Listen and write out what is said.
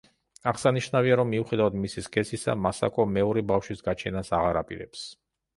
აღსანიშნავია, რომ მიუხედავად მისი სქესისა, მასაკო მეორე ბავშვის გაჩენას აღარ აპირებს.